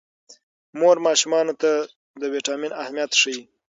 مور ماشومانو ته د ویټامین اهمیت ښيي.